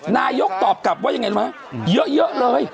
นายกตอบกลับว่าอย่างไรรึเปล่าฮะเยอะเลย